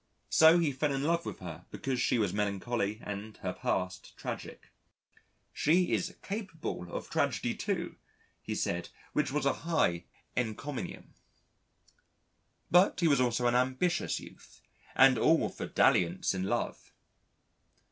So he fell in love with her because she was melancholy and her past tragic. "She is capable of tragedy, too," he said, which was a high encomium. But he was also an ambitious youth and all for dalliance in love.